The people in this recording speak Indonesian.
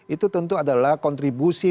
itu tentu adalah kontribusi